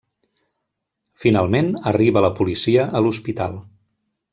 Finalment, arriba la policia a l'hospital.